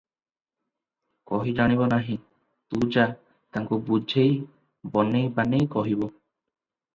କହି ଜାଣିବ ନାହିଁ, ତୁ ଯା, ତାଙ୍କୁ ବୁଝେଇ ବନେଇ ବାନେଇ କହିବୁ ।"